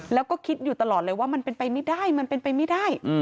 แล้วก็คิดอยู่ตลอดเลยว่ามันเป็นไปไม่ได้